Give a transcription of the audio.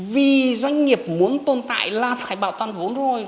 vì doanh nghiệp muốn tồn tại là phải bảo toàn vốn rồi